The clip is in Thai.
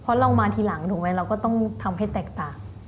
เพราะเรามาทีหลังถูกไหมเราก็ต้องทำให้แตกต่าง